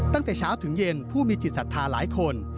ตั้งแต่เช้าถึงเย็นผู้มีจิตศรัทธาหลายคน